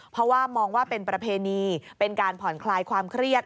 เพราะว่ามองว่าเป็นประเพณีเป็นการผ่อนคลายความเครียด